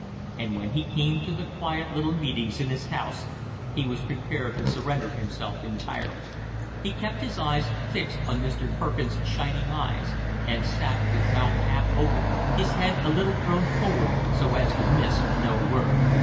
And when he came to the quiet little meetings in his house he was prepared to surrender himself entirely. He kept his eyes fixed on Mr. Perkins' shining eyes, and sat with mouth half open, his head a little thrown forward so as to miss no word.